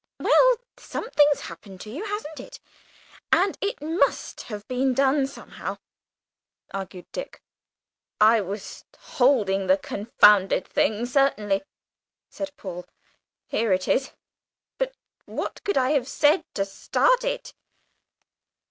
"Well, something's happened to you, hasn't it? And it must have been done somehow," argued Dick. "I was holding the confounded thing, certainly," said Paul, "here it is. But what could I have said to start it?